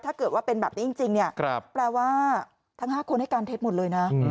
ถ้าเกิดว่าเป็นแบบนี้จริงเนี่ยแปลว่าทั้ง๕คนให้การเท็จหมดเลยนะ